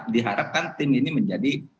diharapkan tim ini menjadi